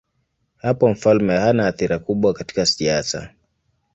Hapo mfalme hana athira kubwa katika siasa.